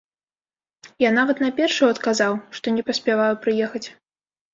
Я нават на першую адказаў, што не паспяваю прыехаць.